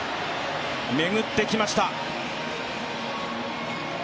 巡ってきました。